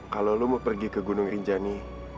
kalau lo mau pergi ke gunung rinjani